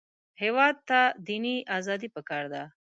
هېواد ته دیني ازادي پکار ده